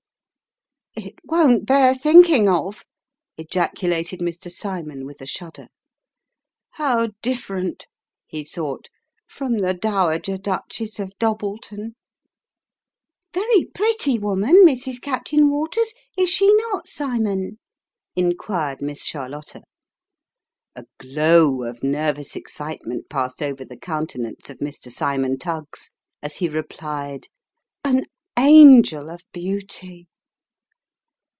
" It won't bear thinking of! " ejaculated Mr. Cymon, with a shudder. "How different," he thought, "from the Dowager Duchess of Dob bleton !"" Very pretty woman, Mrs. Captain Waters, is she not, Cymon ?" inquired Miss Charlotta. A glow of nervous excitement passed over the countenance of Mr. Cymon Tuggs, as he replied, " An angel of beauty